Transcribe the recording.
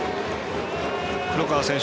黒川選手